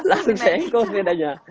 langsung saya engkol sepedanya